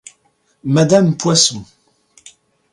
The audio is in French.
Madame Poisson.